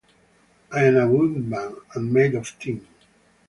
"I am a Woodman, and made of tin.